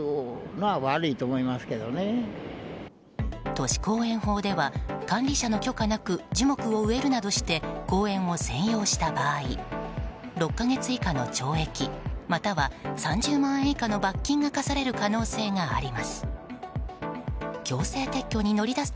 都市公園法では管理者の許可なく樹木を植えるなどして公園を占用した場合６か月以下の懲役または３０万円以下の罰金が科される可能性があります。